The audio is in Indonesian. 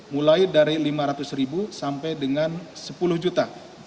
mulai dari lima ratus ribu sampai dengan sepuluh juta